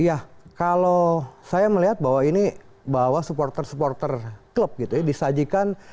iya kalau saya melihat bahwa ini bahwa supporter supporter klub gitu ya disajikan